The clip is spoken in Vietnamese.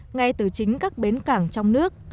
ngay từ chính các bến cảng trong nước